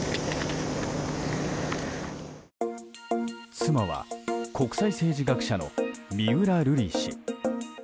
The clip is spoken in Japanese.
妻は国際政治学者の三浦瑠麗氏。